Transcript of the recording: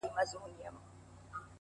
o خو يو ځل بيا وسجدې ته ټيټ سو؛